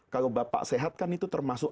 kalau bapak sehat kan itu termasuk